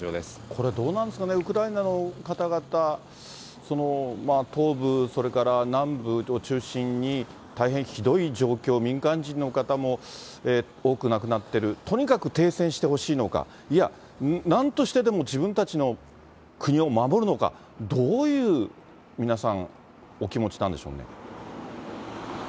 これ、どうなんですかね、ウクライナの方々、東部、それから南部を中心に、大変ひどい状況、民間人の方も多く亡くなってる、とにかく停戦してほしいのか、いや、なんとしてでも自分たちの国を守るのか、どういう、皆さんお気持ちなんでしょうね。